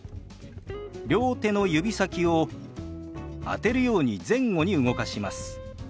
両手の指先を当てるように前後に動かします。